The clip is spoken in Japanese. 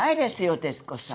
徹子さん。